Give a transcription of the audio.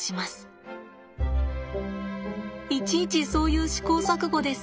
いちいちそういう試行錯誤です。